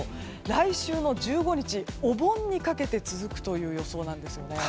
来週の１５日、お盆にかけて続くという予想なんです。